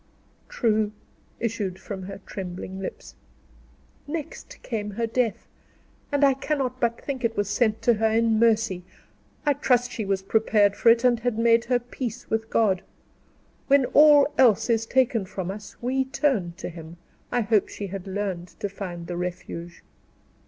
"True," issued from her trembling lips. "Next came her death; and I cannot but think it was sent to her in mercy. I trust she was prepared for it, and had made her peace with God. When all else is taken from us, we turn to him; I hope she had learned to find the Refuge."